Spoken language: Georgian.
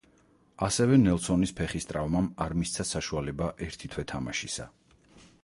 ასევე ნელსონის ფეხის ტრავმამ არ მისცა საშუალება ერთი თვე თამაშისა.